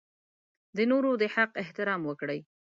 د نورو د حق احترام وکړئ.